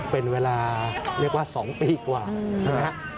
เป็นเวลาเรียกว่า๒ปีกว่าใช่ไหมฮะ